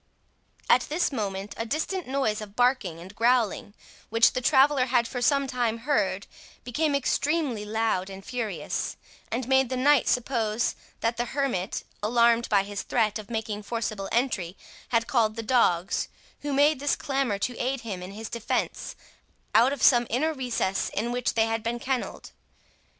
At this moment a distant noise of barking and growling, which the traveller had for some time heard, became extremely loud and furious, and made the knight suppose that the hermit, alarmed by his threat of making forcible entry, had called the dogs who made this clamour to aid him in his defence, out of some inner recess in which they had been kennelled.